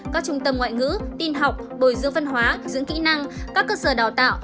các trung tâm ngoại ngữ tin học bồi dưỡng văn hóa giữa kỹ năng các cơ sở đào tạo